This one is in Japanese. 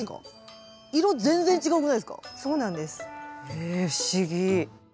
ええ不思議。